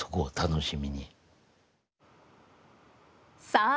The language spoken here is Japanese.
さあ